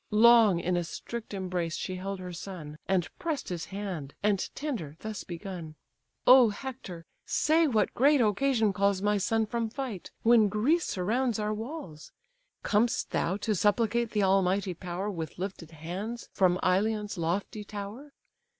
Long in a strict embrace she held her son, And press'd his hand, and tender thus begun: "O Hector! say, what great occasion calls My son from fight, when Greece surrounds our walls; Com'st thou to supplicate the almighty power With lifted hands, from Ilion's lofty tower?